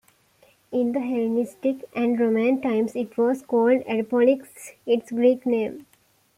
In the Hellenistic and Roman times it was called Areopolis, its Greek name.